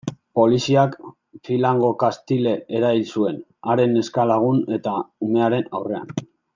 Poliziak Philando Castile erail zuen, haren neska-lagun eta umearen aurrean.